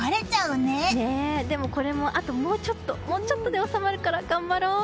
でも、これもあともうちょっとで収まるから頑張ろう。